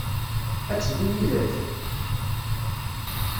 Ad teddu yid-k?